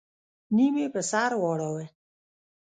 نيم يې په سر واړوه.